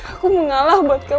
aku mengalah buat kamu